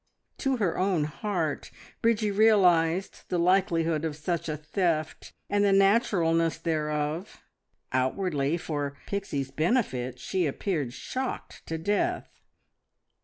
To her own heart, Bridgie realised the likelihood of such a theft, and the naturalness thereof: outwardly, for Pixie's benefit she appeared shocked to death.